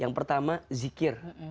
yang pertama zikir